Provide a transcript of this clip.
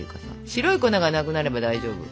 白い粉がなくなれば大丈夫。